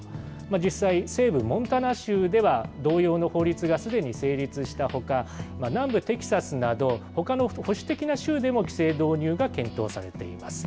実際、西部モンタナ州では同様の法律がすでに成立したほか、南部テキサスなどほかの保守的な州でも規制導入が検討されています。